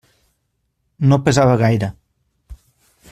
No pesava gaire.